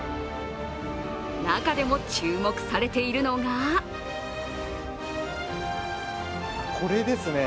中でも注目されているのがこれですね。